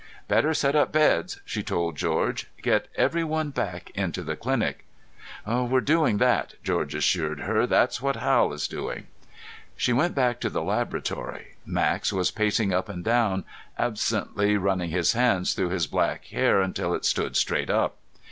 "Better set up beds," she told George. "Get everyone back into the clinic." "We're doing that," George assured her. "That's what Hal is doing." She went back to the laboratory. Max was pacing up and down, absently running his hands through his black hair until it stood straight up.